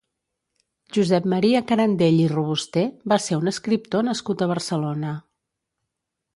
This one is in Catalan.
Josep Maria Carandell i Robusté va ser un escriptor nascut a Barcelona.